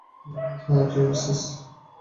হ্যাঁ, ট্র্যাভিস।